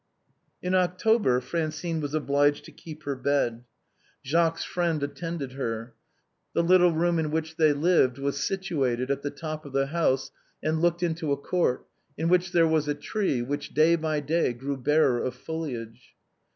In October Francine was obliged to keep her bed. Jacques's friend attended her. The little room in which they lived was situate right at the top of the house and looked into a court, in which there was a tree, which day by day grew barer of foliage.